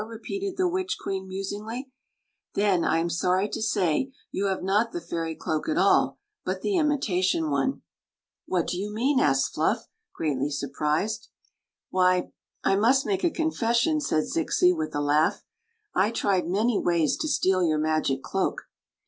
repeated the witch queen, musingly. "Then, I am sorry to say, you have not the 0ttry clo^ at aU, but die imka^ (nte." 2+6 Queen Zixi of Ix; or, the " What do you mean ?" asked Fluff, greatly sur prised. "Why, I must make a confession," said Zixi, with a laugh. " I tried many ways to steal your magic cloak.